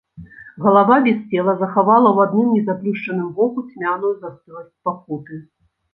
Галава без цела захавала ў адным незаплюшчаным воку цьмяную застыласць пакуты.